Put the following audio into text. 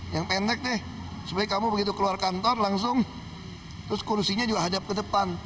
yang pendek deh supaya kamu begitu keluar kantor langsung terus kursinya juga hadap ke depan